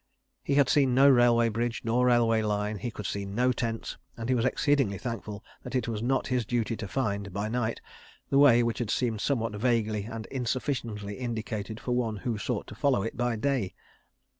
He had seen no railway bridge nor railway line; he could see no tents, and he was exceedingly thankful that it was not his duty to find, by night, the way which had seemed somewhat vaguely and insufficiently indicated for one who sought to follow it by day.